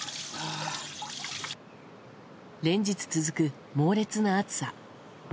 連日続く猛烈な暑さ。